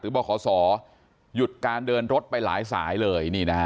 หรือบรขสอหยุดการเดินรถไปหลายสายเลย